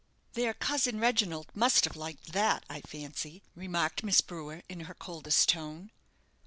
"Their cousin Reginald must have liked that, I fancy," remarked Miss Brewer, in her coldest tone.